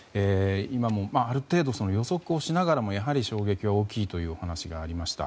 今もある程度予測をしながらも衝撃は大きいというお話がありました。